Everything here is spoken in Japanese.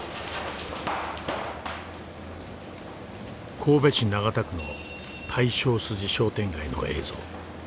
神戸市長田区の大正筋商店街の映像。